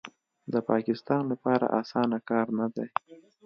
د پاکستان لپاره اسانه کار نه دی